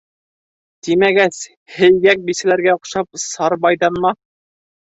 Тимәгәс, һейгәк бисәләргә оҡшап, сарбайҙанма.